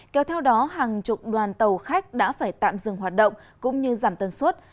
kéo theo đó hàng chục đoàn tàu khách đã phải tạm dừng hoạt động cũng như giảm tân suất